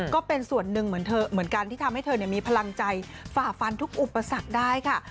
ก็เป็นส่วนหนึ่งเหมือนเธอเหมือนกันที่ทำให้เธอมีพลังใจฝ่าฟันทุกอุปสรรคได้ค่ะ